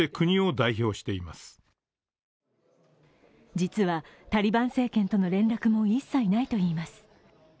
実はタリバン政権との連絡も一切ないといいます。